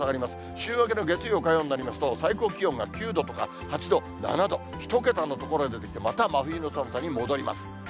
週明けの月曜、火曜になりますと、最高気温が９度とか、８度、７度、１桁の所が出てきて、また真冬の寒さに戻ります。